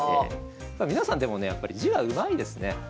皆さんでもねやっぱり字はうまいですね。